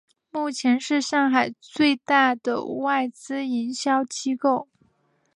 目前是上海最大的外资营销机构。